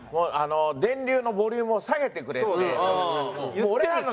電流のボリュームを下げてくれって。